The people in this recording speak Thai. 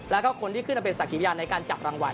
แล้วก็คนที่ขึ้นเป็นศักดิ์อย่างในการจับรางวัล